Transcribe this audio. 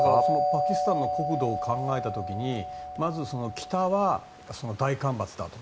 パキスタンの国土を考えた時にまず北は大干ばつだと。